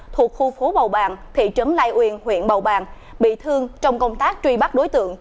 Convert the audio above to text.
thuộc khu phố bầu bàng thị trấn lai uyên huyện bầu bàng bị thương trong công tác truy bắt đối tượng